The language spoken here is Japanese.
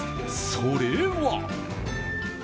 それは。